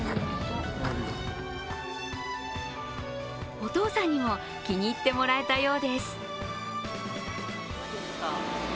お父さんにも気に入ってもらえたようです。